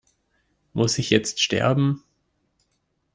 Muss ich jetzt sterben?